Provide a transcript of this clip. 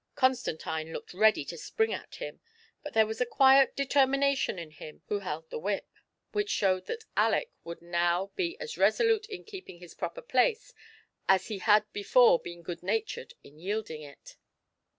Constantine looked ready to spring at him ; but there was a quiet determination in him who held the whip, which showed that Aleck would now be as resolute in keeping his proper place as he had before been good natured in yielding it.